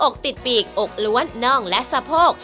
อกติดปีกอกล้วนน่องและสะโพก